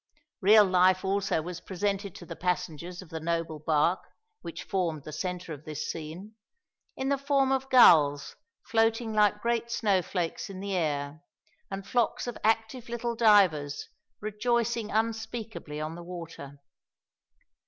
Real life also was presented to the passengers of the noble bark which formed the centre of this scene, in the form of gulls floating like great snowflakes in the air, and flocks of active little divers rejoicing unspeakably on the water.